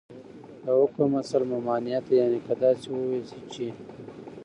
دحكم اصل ، ممانعت دى يعني كه داسي وويل سي چې